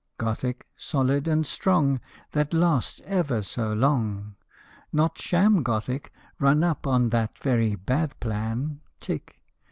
Gothic, solid, and strong, That lasts ever so long Not sham Gothic run up on that very bad plan, tick